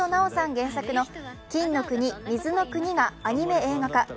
原作の「金の国水の国」がアニメ映画化。